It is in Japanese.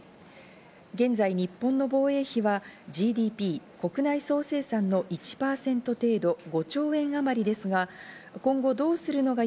現在、日本の防衛費はＧＤＰ＝国内総生産の１％程度、５兆円あまりですが、今後どうするのが